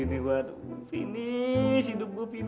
hidup saya sudah berakhir